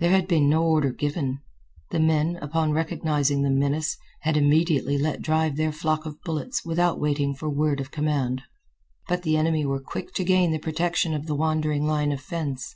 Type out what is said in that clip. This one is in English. There had been no order given; the men, upon recognizing the menace, had immediately let drive their flock of bullets without waiting for word of command. But the enemy were quick to gain the protection of the wandering line of fence.